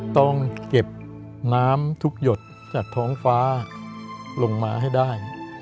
ต้องเก็บน้ำทุกหยดจากท้องฟ้าลงมาให้ได้